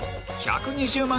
１２０万